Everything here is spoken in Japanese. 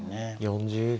４０秒。